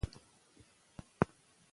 تاسي باید د خپلو اتلانو نومونه په یاد ولرئ.